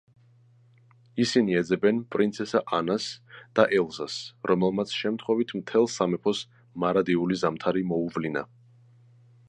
ისინი ეძებენ პრინცესა ანას და ელზას, რომელმაც შემთხვევით მთელ სამეფოს მარადიული ზამთარი მოუვლინა.